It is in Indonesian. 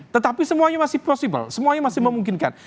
tetapi semuanya masih possible semuanya masih memungkinkan